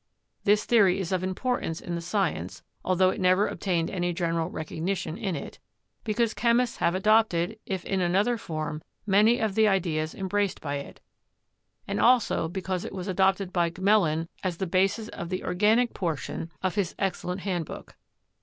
This theory is of importance in the science (altho it never obtained any general recognition in it) because chemists have adopted, if in another form, many of the ideas embraced by it, and also because it was adopted by Gmelin as the basis of the organic portion of 232 CHEMIS1RY his excellent handbook.